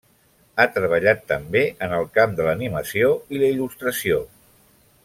Ha treballat també en el camp de l'animació i la il·lustració.